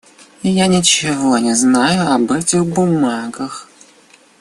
Я ничего не знаю об этих бумагах.